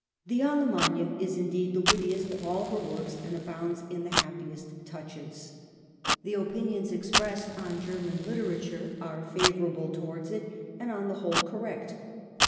The Allemagne is indeed the wittiest of all her works, and abounds in the happiest touches. The opinions expressed on German literature are favorable towards it, and on the whole cor rect.